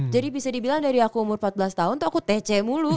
jadi bisa dibilang dari aku umur empat belas tahun tuh aku tc mulu